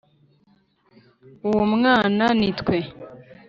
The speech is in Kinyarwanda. uwo mwana ni twe,